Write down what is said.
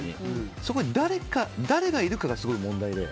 そこに誰がいるかがすごい問題で。